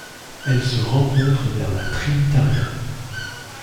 Elle se rencontre vers La Trinitaria.